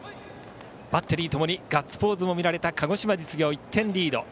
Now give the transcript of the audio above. バッテリーともにガッツポーズも見られた鹿児島実業、１点リード。